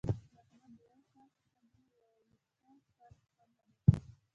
د احمد د یوه کال حسابونو یو وېښته فرق هم ونه کړ.